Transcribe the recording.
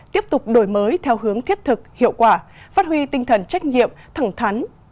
tiếp tục đổi mới theo hướng thiết thực hiệu quả phát huy tinh thần trách nhiệm thẳng thắn